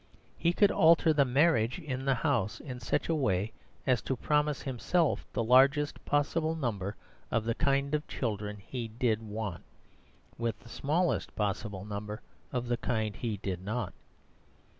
He could alter the marriage in the house in such a way as to promise himself the largest possible number of the kind of children he did want, with the smallest possible number of the kind he did not.